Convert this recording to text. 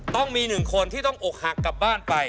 ต้องมีหนึ่งคนที่ต้องอกหักกลับบ้านไป